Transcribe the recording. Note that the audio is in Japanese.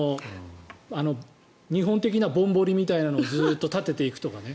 日本的なぼんぼりみたいなのをずっと立てていくとかね。